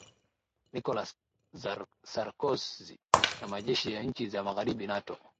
nicolas sarkozy na majeshi ya nchi za magharibi nato